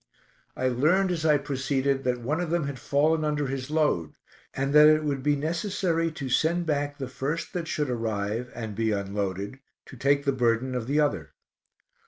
I learned, as I proceeded, that one of them had fallen under his load, and that it would be necessary to send back the first that should arrive and be unloaded, to take the burden of the other.